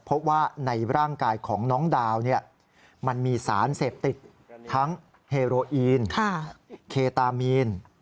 พบว่าในร่างกายของน้องดาวมันมีสารเสพติดทั้งเฮโรอีนเคตามีน